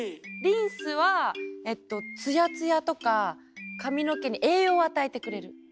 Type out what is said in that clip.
リンスはつやつやとか髪の毛に栄養を与えてくれる。